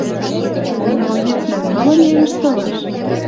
Млоецлӓн малын йӓ йыштылаш?